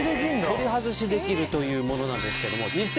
取り外しできるというものなんですけども。